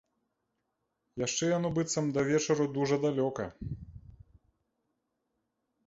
Яшчэ яно быццам да вечару дужа далёка.